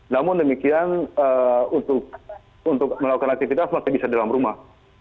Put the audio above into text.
namun demikian untuk melakukan aktivitas masih bisa di dalam rumah